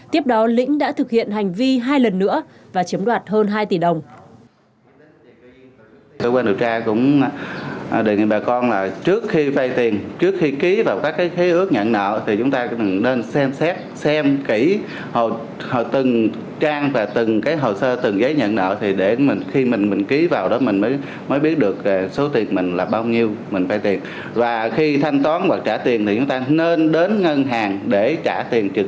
tiếp đó lĩnh đã thực hiện hành vi lừa đảo chiếm đoạt của một ngân hàng có trụ sở tại thành phố cà mau